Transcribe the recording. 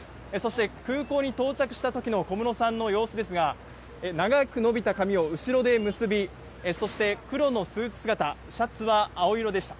空港に到着した時の小室さんの様子ですが、長く伸びた髪を後ろで結び、そして黒のスーツ姿、シャツは青色でした。